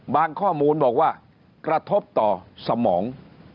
ข้อมูลบอกว่ากระทบต่อสมอง